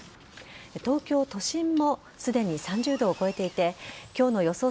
東京都心もすでに３０度を超えていて今日の予想